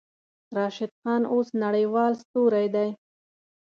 راشد خان اوس نړۍوال ستوری دی.